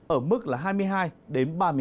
ở mức là hai mươi hai ba mươi hai độ